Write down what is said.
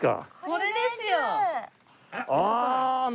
これですよ。